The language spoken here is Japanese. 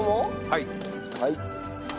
はい。